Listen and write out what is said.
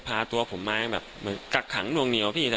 พาตัวผมมาอย่างแบบเหมือนกักขังลวงเหนียวพี่แต่